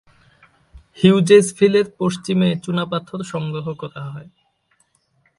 হিউজেসভিলের পশ্চিমে চুনাপাথর সংগ্রহ করা হয়।